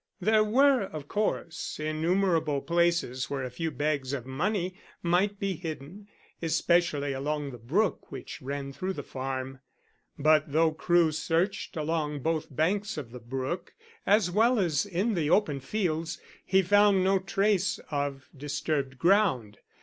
There were, of course, innumerable places where a few bags of money might be hidden, especially along the brook which ran through the farm, but though Crewe searched along both banks of the brook, as well as in the open fields, he found no trace of disturbed ground.